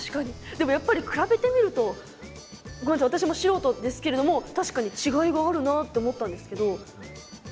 でもやっぱり比べてみるとごめんなさい私も素人ですけれども確かに違いがあるなって思ったんですけどどうですか？